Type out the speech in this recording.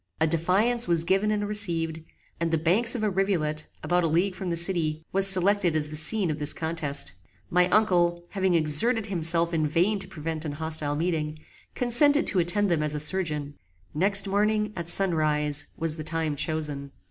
A defiance was given and received, and the banks of a rivulet, about a league from the city, was selected as the scene of this contest. My uncle, having exerted himself in vain to prevent an hostile meeting, consented to attend them as a surgeon. Next morning, at sun rise, was the time chosen.